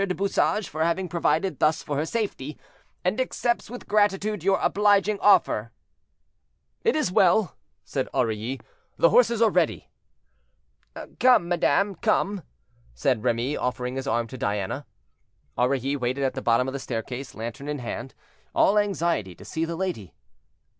du Bouchage for having provided thus for her safety, and accepts with gratitude your obliging offer." "It is well," said Aurilly, "the horses are ready." "Come, madame, come," said Remy, offering his arm to Diana. Aurilly waited at the bottom of the staircase, lantern in hand, all anxiety to see the lady.